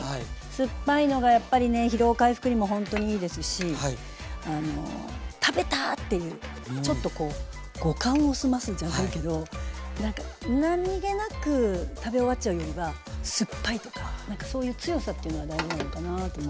酸っぱいのがやっぱりね疲労回復にもほんとにいいですし食べた！っていうちょっとこう五感を澄ますじゃないけど何気なく食べ終わっちゃうよりは酸っぱいとか何かそういう強さっていうのは大事なのかなと思って。